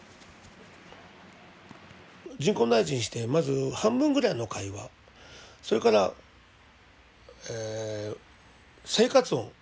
人工内耳にしてまず半分ぐらいの会話それからえ生活音